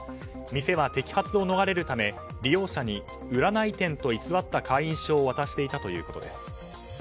店は摘発を逃れるため利用者に占い店と偽った会員証を渡していたということです。